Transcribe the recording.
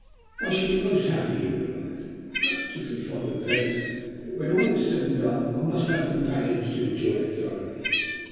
"I shall be most happy," he replied. "I am particularly fond of Venice, but, when all is said and done, one must have companions to enjoy it thoroughly."